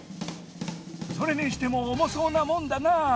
それにしても重そうな門だな。